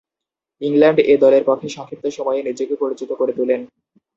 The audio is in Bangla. ইংল্যান্ড এ দলের পক্ষে সংক্ষিপ্ত সময়ে নিজেকে পরিচিত করে তুলেন।